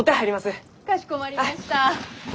かしこまりました。